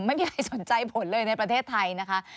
ไม่มีใครสนใจผลเลยในประเทศไทยนะคะ